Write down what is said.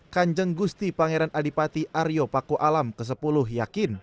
kanjeng gusti pangeran adipati aryo pakualam ke sepuluh yakin